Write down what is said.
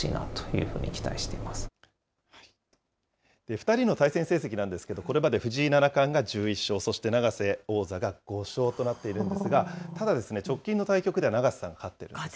２人の対戦成績なんですけれども、これまで藤井七冠が１１勝、そして永瀬王座が５勝となっているんですが、ただですね、直近の対局では永瀬さん、勝ってるんですね。